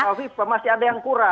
mas viva masih ada yang kurang